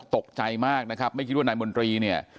ตกใจมากนะครับไม่คิดว่านายมนตรีเนี่ย